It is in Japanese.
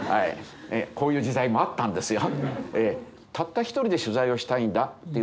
こういう時代もあったんですよ。